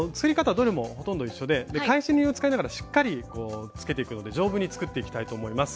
どれもほとんど一緒で返し縫いを使いながらしっかりつけていくので丈夫に作っていきたいと思います。